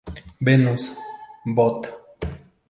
Venus, Bot.